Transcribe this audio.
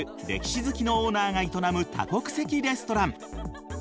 歴史好きのオーナーが営む多国籍レストラン。